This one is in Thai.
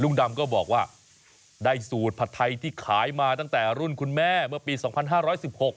ดำก็บอกว่าได้สูตรผัดไทยที่ขายมาตั้งแต่รุ่นคุณแม่เมื่อปีสองพันห้าร้อยสิบหก